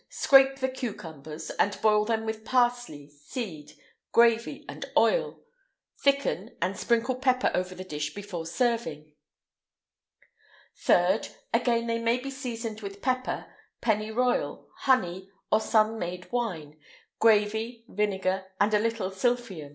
Scrape the cucumbers, and boil them with parsley, seed, gravy, and oil; thicken, and sprinkle pepper over the dish before serving.[IX 121] 3rd. Again, they may be seasoned with pepper, pennyroyal, honey, or sun made wine, gravy, vinegar, and a little sylphium.